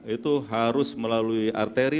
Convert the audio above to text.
itu harus melalui arteri